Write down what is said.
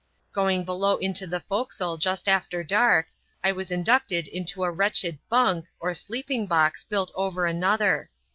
Going below into the forecastle just after dark, I was in ducted into a wretched " bunk " or sleeping box built over an other.